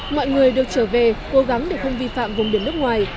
mọi người được trở về cố gắng để không vi phạm vùng biển nước ngoài